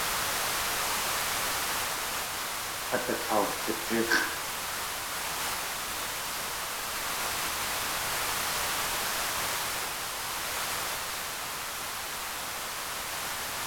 Át akawlitíx̲ʼ.